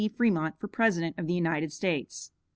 Fremont for President of the United States.